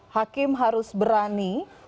hakim harus berani